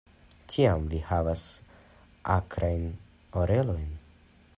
Tiam vi havas akrajn orelojn.